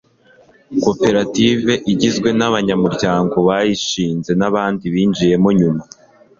koperative igizwe n'abanyamuryango bayishinze n'abandi binjiyemo nyuma